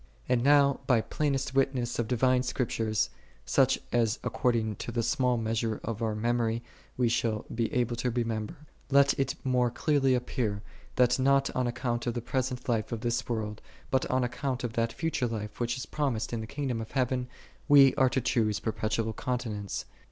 22. And now by plainest witnesses of divine Scriptures, such as according to the small measure of our memory we shall be able to remember, let it more clearly appear, that, not on account of the present life of this world, but on account of that future life which is promised in the kingdom of heaven, we are to choose perpetual continence.